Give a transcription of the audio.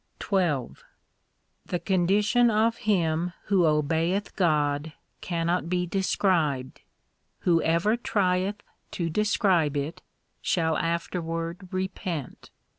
XII The condition of him who obeyeth God cannot be described. Whoever trieth to describe it, shall afterward repent.